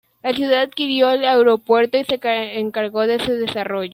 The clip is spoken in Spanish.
La ciudad adquirió el aeropuerto y se encargó de su desarrollo.